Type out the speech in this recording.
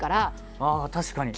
ああ確かに。